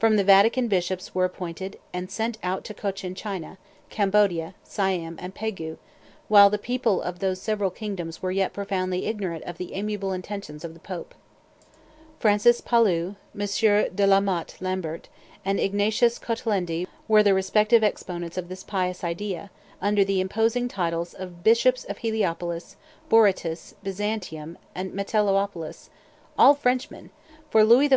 From the Vatican bishops were appointed, and sent out to Cochin China, Cambodia, Siam, and Pegu, while the people of those several kingdoms were yet profoundly ignorant of the amiable intentions of the Pope. Francis Pallu, M. De la Motte Lambert, and Ignatius Cotolendy were the respective exponents of this pious idea, under the imposing titles of Bishops of Heliopolis, Borytus, Byzantium, and Metellopolis, all Frenchmen, for Louis XIV.